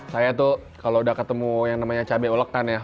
saya tuh kalau udah ketemu yang namanya cabai olekan ya